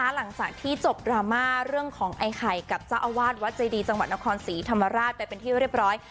หลังจากที่จบดราม่าเรื่องของไอ้ไข่กับเจ้าอาวาสวัดใจดีจังหวัดนครศรีธรรมราชไปเป็นที่เรียบร้อย